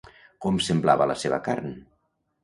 Com semblava la seva carn?